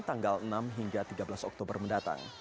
tanggal enam hingga tiga belas oktober mendatang